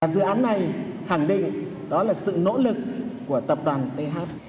dự án này khẳng định đó là sự nỗ lực của tập đoàn th